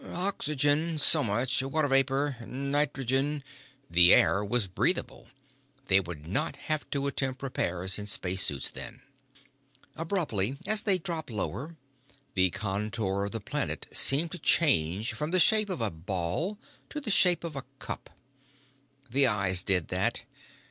" oxygen, so much; water vapor; nitrogen " The air was breathable. They would not have to attempt repairs in space suits, then. Abruptly, as they dropped lower, the contour of the planet seemed to change from the shape of a ball to the shape of a cup. The eyes did that.